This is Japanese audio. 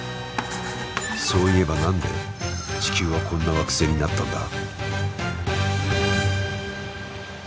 そういえば何で地球はこんな惑星になったんだ？